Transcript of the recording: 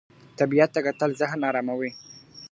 طبیعت ته کتل ذهن اراموي.